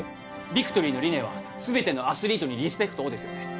ビクトリーの理念は「すべてのアスリートにリスペクトを」ですよね